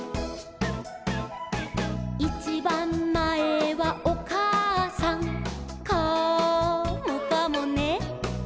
「いちばんまえはおかあさん」「カモかもね」